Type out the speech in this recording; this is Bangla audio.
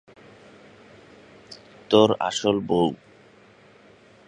তোর আসল বৌ।